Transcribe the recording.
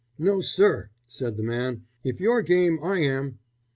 "No, sir," said the man; "if you're game, I am."